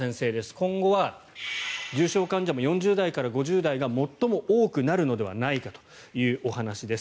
今後は重症患者も４０代から５０代が最も多くなるのではないかというお話です。